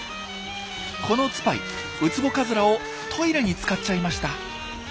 このツパイウツボカズラをトイレに使っちゃいました。